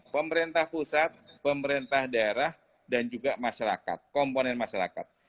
pemerintah pusat pemerintah daerah dan juga masyarakat komponen masyarakat